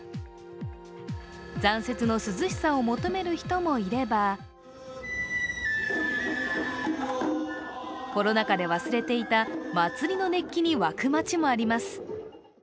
残雪の涼しさを求める人もいれば、コロナ禍で忘れていた祭りの熱気に沸く街もあります。